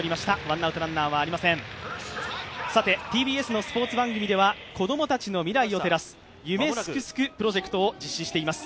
ＴＢＳのスポーツ番組では、子供たちの未来を照らす、夢すくすくプロジェクトを実施しています。